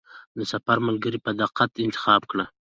د سفر ملګری په دقت انتخاب کړه.